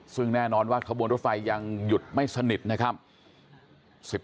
ซึ่งแน่นอนว่าขบวนรถไฟยังหยุดไม่สนิทนะครับ